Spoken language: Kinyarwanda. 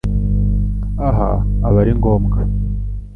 Aha aba ari ngombwa